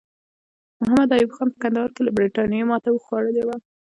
محمد ایوب خان په کندهار کې له برټانیې ماته خوړلې وه.